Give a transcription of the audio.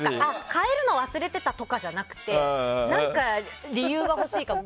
変えるの忘れてたとかじゃなくて理由は欲しいかも。